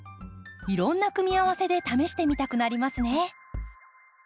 いろんな組み合わせで試してみたくなりますね。